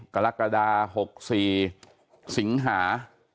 กรกฎา๖๔สิงหา